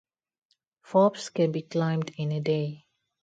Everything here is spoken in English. Forbes can be climbed in a day.